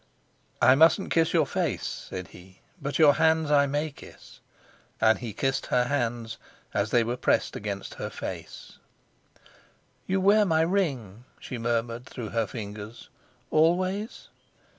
"I mustn't kiss your face," said he, "but your hands I may kiss," and he kissed her hands as they were pressed against her face. "You wear my ring," she murmured through her fingers, "always?"